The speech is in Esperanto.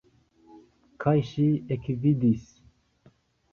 Kaj ŝi ekvidis.